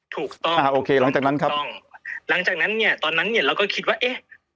ถูกต้องอ่าโอเคหลังจากนั้นครับถูกต้องหลังจากนั้นเนี่ยตอนนั้นเนี่ยเราก็คิดว่าเอ๊ะ